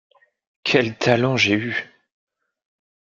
Quel talent j’ai eu!